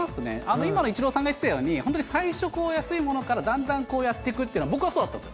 今のイチローさんが言ってたように、本当に最初やすいものからだんだんやっていくというのは、僕はそうだったんです。